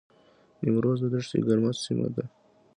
نیمروز د دښتې ګرمه سیمه ده